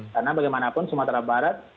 karena bagaimanapun sumatera barat